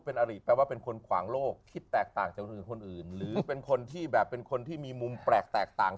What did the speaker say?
เป็นอะไรแปลว่าเป็นคนขวางโลกขึ้นแตกต่างที่เป็นคนที่แบบก็เป็นคนที่มีมุมแปลกแตกต่าง